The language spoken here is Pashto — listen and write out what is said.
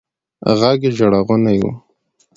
ږغ يې ژړغونى و.